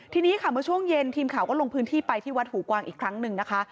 ทีนี้ค่ะเมื่อช่วงเย็นทีมข่าวก็ลงพื้นที่ไปที่วัดหูกวางอีกครั้งหนึ่งนะคะ